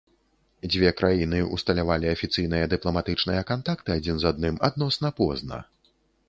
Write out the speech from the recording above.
Дзве краіны ўсталявалі афіцыйныя дыпламатычныя кантакты адзін з адным адносна позна.